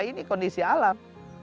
ini kondisi alam